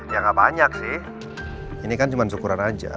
ya gak banyak sih ini kan cuma syukuran aja